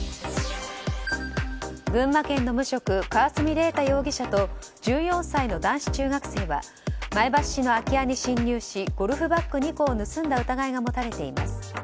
群馬県の無職川澄玲太容疑者と１４歳の男子中学生は前橋市の空き家に侵入しゴルフバッグ２個を盗んだ疑いが持たれています。